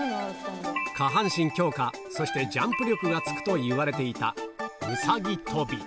下半身強化、そしてジャンプ力がつくといわれていたうさぎ跳び。